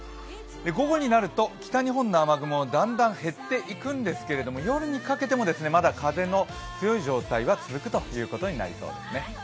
午後になると北日本の雨雲がだんだん減っていくんですけども、夜にかけても、まだ風の強い状態が続くということになりそうです。